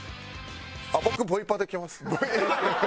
あっ僕ボイパできます。